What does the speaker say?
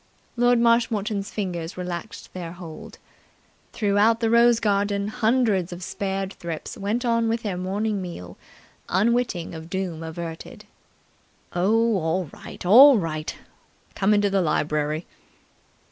Lord Marshmoreton's fingers relaxed their hold. Throughout the rose garden hundreds of spared thrips went on with their morning meal, unwitting of doom averted. "Oh, all right, all right, all right! Come into the library."